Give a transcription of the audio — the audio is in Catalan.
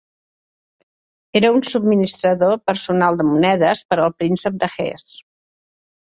Era un subministrador personal de monedes per al príncep de Hesse.